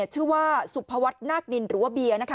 ชื่อว่าสุภวัฒน์นาคนินหรือว่าเบียร์นะคะ